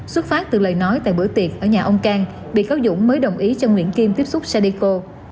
xuất phát từ lời nói tại bữa tiệc ở nhà ông cang bị cáo dũng mới đồng ý cho nguyễn kim tiếp xúc sadeco